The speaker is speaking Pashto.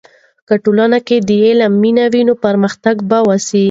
که ټولنې کې د علم مینه وي، نو پرمختګ به وسي.